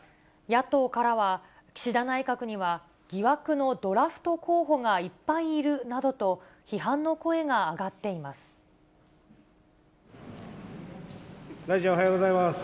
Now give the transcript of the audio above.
野党からは、岸田内閣には疑惑のドラフト候補がいっぱいいるなどと、批判の声大臣、おはようございます。